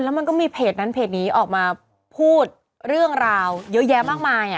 แล้วมันก็มีเพจนั้นเพจนี้ออกมาพูดเรื่องราวเยอะแยะมากมาย